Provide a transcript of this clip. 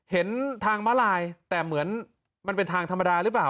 เห็นทางมาลายแต่เหมือนมันเป็นทางธรรมดาหรือเปล่า